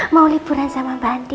mau liburan sama mbak andi